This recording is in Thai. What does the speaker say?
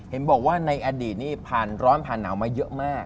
เห็นบอกว่าในอดีตนี้ผ่านร้อนผ่านหนาวมาเยอะมาก